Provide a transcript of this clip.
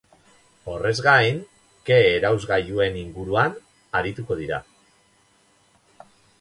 Horrez gain, ke-erauzgailuen inguruan arituko dira.